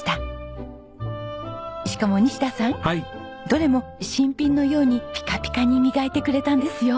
どれも新品のようにピカピカに磨いてくれたんですよ。